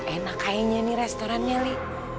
enak kayaknya nih restorannya li